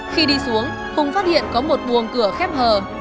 khi đi xuống hùng phát hiện có một buồng cửa khép hờ